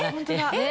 ・えっ！